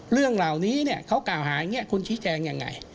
เรื่องเหล่านี้เขากล่าวหาอย่างนี้คุณชี้แจงยังไง